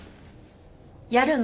やるの？